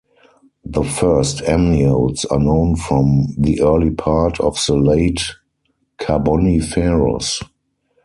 The first amniotes are known from the early part of the Late Carboniferous.